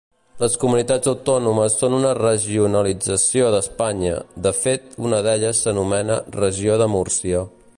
Les comunitats autònomes són una regionalització d'Espanya, de fet una d'elles s'anomena Regió de Múrcia.